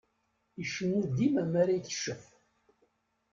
Icennu dima mara iteccef.